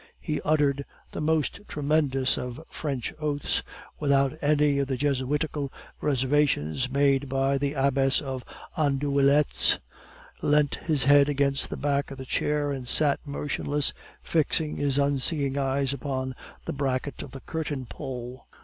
He uttered the most tremendous of French oaths, without any of the Jesuitical reservations made by the Abbess of Andouillettes, leant his head against the back of the chair, and sat motionless, fixing his unseeing eyes upon the bracket of the curtain pole.